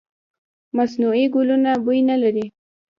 مصنوعي ګلونه بوی نه لري.